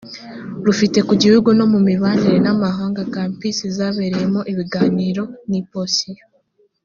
rufite ku gihugu no mu mibanire n amahanga campus zabereyemo ibiganiro ni posiyo